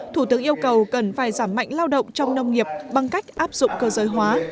thủ tướng yêu cầu cần phải giảm mạnh lao động trong nông nghiệp bằng cách áp dụng cơ giới hóa